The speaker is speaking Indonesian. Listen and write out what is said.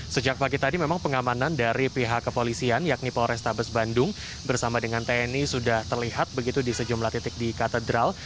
sejak pagi tadi memang pengamanan dari pihak kepolisian yakni polrestabes bandung bersama dengan tni sudah terlihat begitu di sejumlah titik di katedral